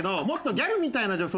ギャルみたいな女装。